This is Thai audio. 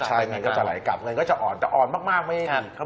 ใช่เงินก็จะไหลกลับเงินก็จะอ่อนแต่อ่อนมากไม่